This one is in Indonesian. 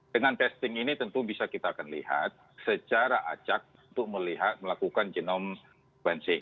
dengan testing ini tentu bisa kita akan lihat secara acak untuk melihat melakukan genome sequencing